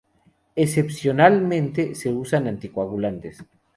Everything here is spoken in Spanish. Excepcionalmente se usan anticoagulantes.